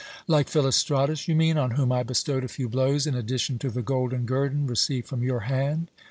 "Like Philostratus, you mean, on whom I bestowed a few blows in addition to the golden guerdon received from your hand?"